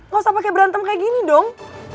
gak usah pakai berantem kayak gini dong